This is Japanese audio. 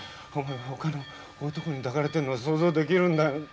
お前が他の男に抱かれてんのが想像できるんだよ。